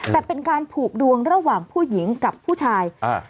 แต่เป็นการผูกดวงระหว่างผู้หญิงกับผู้ชายอ่า